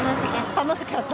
楽しかった？